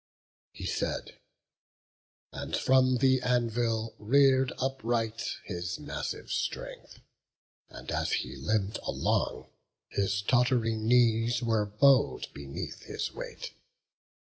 He said, and from the anvil rear'd upright His massive strength; and as he limp'd along, His tottering knees were bow'd beneath his weight.